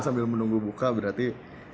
sambil menunggu buka berarti